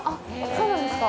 そうなんですか？